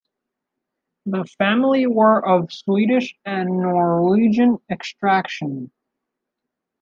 The family were of Swedish and Norwegian extraction.